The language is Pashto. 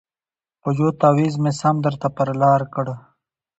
په یوه تعویذ مي سم درته پر لار کړ